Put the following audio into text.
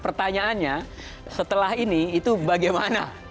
pertanyaannya setelah ini itu bagaimana